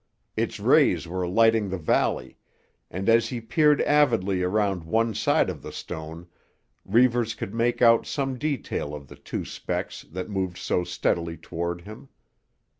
Its rays were lighting the valley, and as he peered avidly around one side of the stone, Reivers could make out some detail of the two specks that moved so steadily toward him.